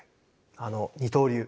あの二刀流